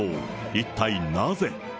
一体なぜ。